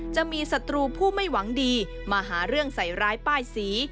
จะมีศัตรูผู้ไม่หวังดีมาหาเรื่องใส่ร้ายป้ายสี